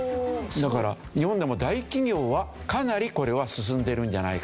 だから日本でも大企業はかなりこれは進んでるんじゃないか。